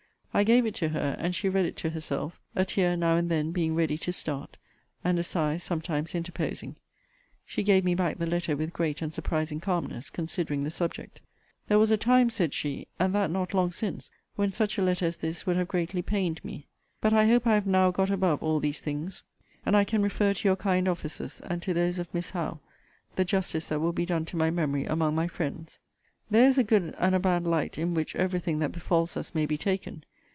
I gave it to her, and she read it to herself; a tear now and then being ready to start, and a sigh sometimes interposing. She gave me back the letter with great and surprising calmness, considering the subject. There was a time, said she, and that not long since, when such a letter as this would have greatly pained me. But I hope I have now go above all these things: and I can refer to your kind offices, and to those of Miss Howe, the justice that will be done to my memory among my friends. There is a good and a bad light in which every thing that befalls us may be taken.